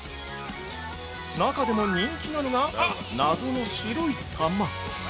中でも人気なのが、謎の白い玉。